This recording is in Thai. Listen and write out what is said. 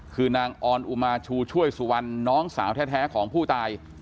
คือนางออนอุมาชูช่วยสุวรรณน้องสาวแท้ของผู้ตาย